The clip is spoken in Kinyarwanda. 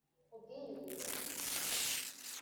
ubwiyunge